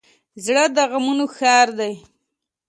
زړه د غمونو ښکار دی.